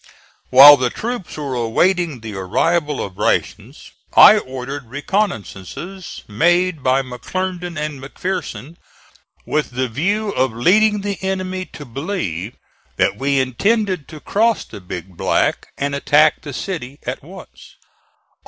While the troops were awaiting the arrival of rations I ordered reconnoissances made by McClernand and McPherson, with the view of leading the enemy to believe that we intended to cross the Big Black and attack the city at once.